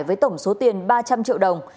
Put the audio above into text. với tổng số tiền ba trăm linh triệu đồng